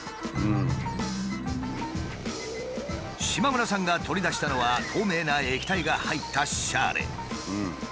島村さんが取り出したのは透明な液体が入ったシャーレ。